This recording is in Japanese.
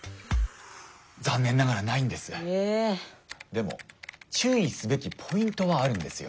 でも注意すべきポイントはあるんですよ。